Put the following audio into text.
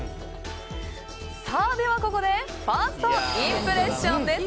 さあではここでファーストインプレッションです。